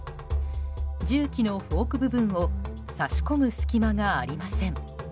重機のフォーク部分を差し込む隙間がありません。